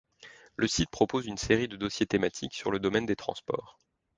Le site propose une série de dossiers thématiques sur le domaine des transports.